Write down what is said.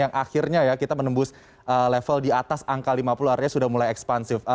yang akhirnya ya kita menembus level di atas angka lima puluh artinya sudah mulai ekspansif